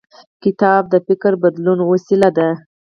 کتاب د فکر بدلون وسیله ده.